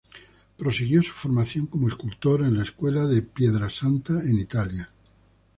Prosiguió su formación como escultor en la escuela de Pietrasanta en Italia.